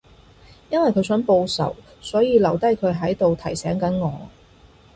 因為佢想報仇，所以留低佢喺度提醒緊我